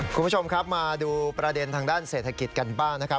คุณผู้ชมครับมาดูประเด็นทางด้านเศรษฐกิจกันบ้างนะครับ